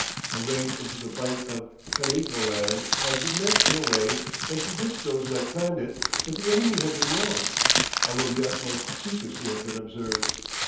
A raid into the Bight of Heligoland had been met in a way that convinced those who had planned it that the enemy had been warned, although the utmost secrecy had been observed.